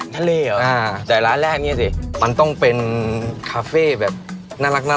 ทะเลเหรออ่าแต่ร้านแรกเนี่ยสิมันต้องเป็นคาเฟ่แบบน่ารัก